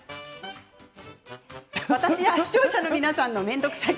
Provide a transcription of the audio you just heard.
私や視聴者の皆さんの面倒くさい